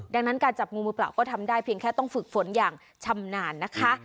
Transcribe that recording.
ดังนั้นการจับงูมือเปล่าก็ทำได้เพียงแค่ต้องฝึกฝนอย่างชำนาญนะคะ